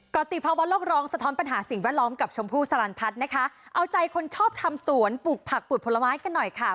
กรติภาวะโลกร้องสะท้อนปัญหาสิ่งแวดล้อมกับชมพู่สลันพัฒน์นะคะเอาใจคนชอบทำสวนปลูกผักปลูกผลไม้กันหน่อยค่ะ